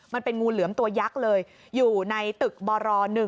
มันเป็นงูเหลือมตัวยักษ์เลยอยู่ในตึกบร๑